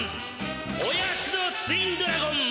おやつのツインドラゴン！